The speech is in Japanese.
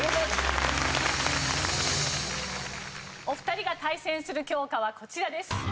お二人が対戦する教科はこちらです。